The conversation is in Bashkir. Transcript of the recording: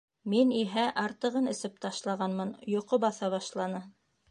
Мин иһә артығын эсеп ташлағанмын, йоҡо баҫа башланы.